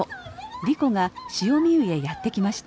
莉子が汐見湯へやって来ました。